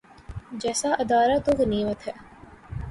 جیسا ادارہ تو غنیمت ہے۔